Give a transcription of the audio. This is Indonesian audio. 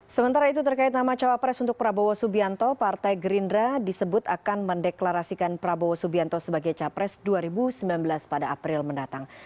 sementara itu terkait nama cawapres untuk prabowo subianto partai gerindra disebut akan mendeklarasikan prabowo subianto sebagai capres dua ribu sembilan belas pada april mendatang